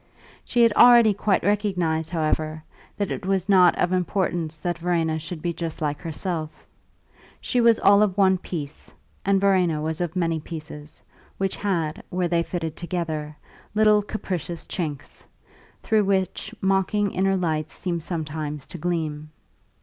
She had already quite recognised, however, that it was not of importance that Verena should be just like herself; she was all of one piece, and Verena was of many pieces, which had, where they fitted together, little capricious chinks, through which mocking inner lights seemed sometimes to gleam.